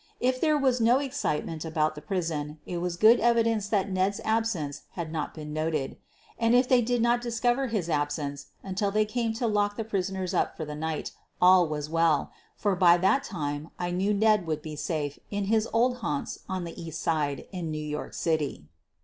If there was no excitement j about the prison it was good evidence that Ned's absence had not been noted. And if they did not discover his absence until they came to lock the pris oners up for the night all was well, for by that time 76 SOPHIE LYONS I knew Ned would be safe in his old haunts on the East Side, in New York City.